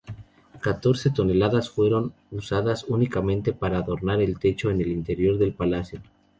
Catorce toneladas fueron usadas únicamente para adornar el techo en el interior del palacio.